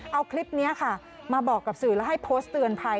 เอาคลิปนี้ค่ะมาบอกกับสื่อแล้วให้โพสต์เตือนภัย